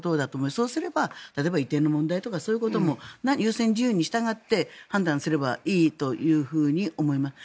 そうすれば例えば移転の問題とかそういうことも優先順位に従って判断すればいいと思います。